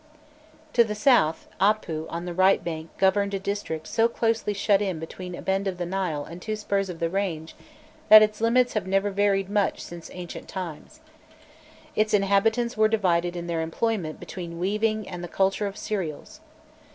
[] To the south, Apû on the right bank governed a district so closely shut in between a bend of the Nile and two spurs of the range, that its limits have never varied much since ancient times. Its inhabitants were divided in their employment between weaving and the culture of cereals.